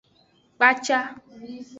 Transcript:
Kpaca.